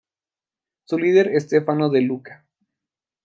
Su líder es Stefano De Luca.